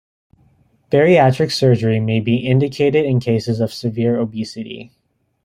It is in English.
Bariatric surgery may be indicated in cases of severe obesity.